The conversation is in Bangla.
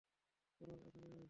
অরুণ, এখানে আয়।